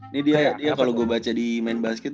ini dia ya kalo gue baca di main basket